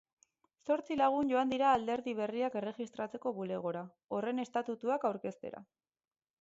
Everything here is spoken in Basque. Zortzi lagun joan dira alderdi berriak erregistratzeko bulegora, horren estatutuak aurkeztera.